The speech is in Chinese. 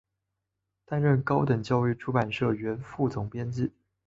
担任高等教育出版社原副总编辑。